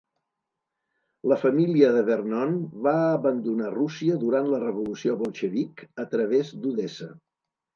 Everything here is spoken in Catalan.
La família de Vernon va abandonar Rússia durant la revolució bolxevic, a través d'Odessa.